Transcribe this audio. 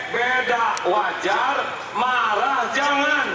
beda wajar marah jangan